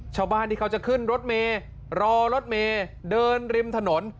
ชาวบ้านที่เขาจะขึ้นรถเมย์รอรถเมย์เดินริมถนน